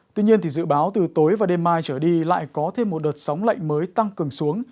tuy nhiên dự báo từ tối và đêm mai trở đi lại có thêm một đợt sóng lạnh mới tăng cường xuống